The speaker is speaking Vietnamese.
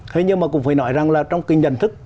thế nhưng mà cũng phải nói rằng là trong cái nhận thức